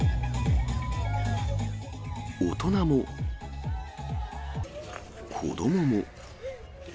大人も、子どもも。